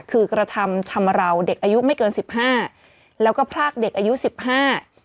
คือกระทำชำราวเด็กอายุไม่เกินสิบห้าแล้วก็พรากเด็กอายุสิบห้า